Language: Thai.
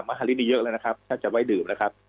ว่า๕ลิตรนี่เยอะเลยนะครับถ้าจัดไว้ดื่มนะครับ